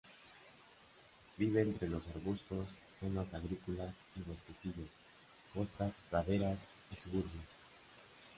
Vive entre los arbustos, zonas agrícolas, y bosquecillos, costas, praderas y suburbios.